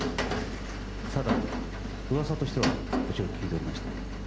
ただ、噂としてはもちろん聞いておりました。